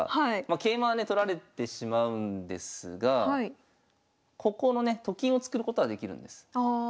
桂馬はね取られてしまうんですがここのねと金を作ることはできるんです。